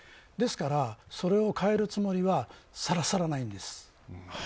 ですから、それを変えるつもりはさらさらないんです。